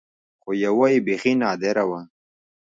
خو يوه يې بيخي نادره وه.